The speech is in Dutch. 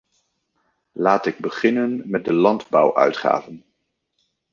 Laat ik beginnen met de landbouwuitgaven.